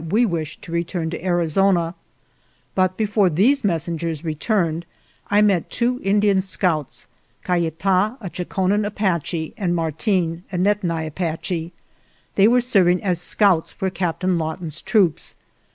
143 GERONIMO we wished to return to Arizona; but before these messengers returned I met two Indian scouts — Kayitah, a Chokonen Apache, and Marteen, a Nedni Apache. They were serv ing as scouts for Captain Lawton's troops.